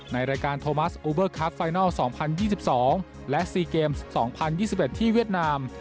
ในรายการโทมัสอูเบอร์คัฟไฟนัลสองพันยี่สิบสองและซีเกมส์สองพันยี่สิบเอ็ดที่เวียดนาม